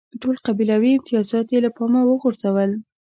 ټول قبیلوي امتیازات یې له پامه وغورځول.